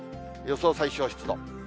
予想最小湿度。